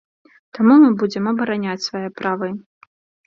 Таму мы будзем абараняць свае правы.